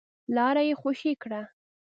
لاره يې خوشې کړه.